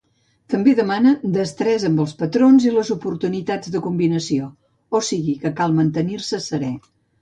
També demanen destresa amb els patrons i les oportunitats de combinació, o sigui que cal mantenir-se serè.